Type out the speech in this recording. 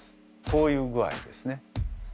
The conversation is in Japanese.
こういう具合ですね。